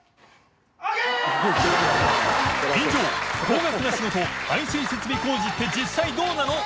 祕幣高額な仕事排水設備工事って実際どうなの？」